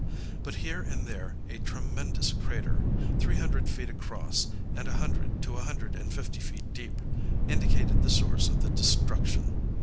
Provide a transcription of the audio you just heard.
But here and there a tremendous crater, three hundred feet across and a hundred to a hundred and fifty feet deep, indicated the source of the destruction.